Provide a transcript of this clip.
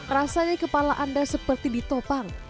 rasanya kepala anda seperti ditopang